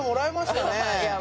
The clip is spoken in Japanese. いや。